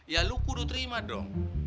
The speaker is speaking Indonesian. ya lo kudu terima dong